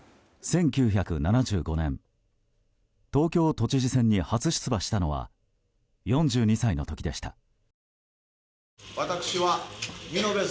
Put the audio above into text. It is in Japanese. １９７５年東京都知事選に初出馬したのは４２歳の時でした。